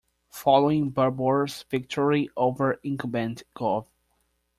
Following Barbour's victory over incumbent Gov.